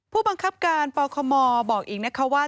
ผู้บังคับการปคมบอกอีกนะคะว่า